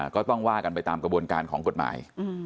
ก็ต้องว่ากันไปตามกระบวนการของกฎหมาย